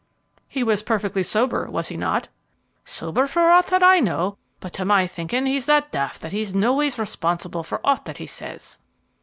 "He was perfectly sober, was he not?" "Sober for aught that I know; but, to my thinking, he's that daft that he's noways responsible for aught that he says."